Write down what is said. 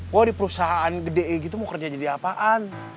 wah di perusahaan gede gitu mau kerja jadi apaan